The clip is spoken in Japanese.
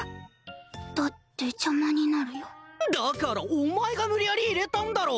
だって邪魔になるよだからお前が無理やり入れたんだろ！